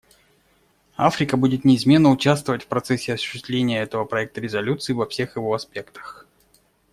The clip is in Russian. Африка будет неизменно участвовать в процессе осуществления этого проекта резолюции во всех его аспектах.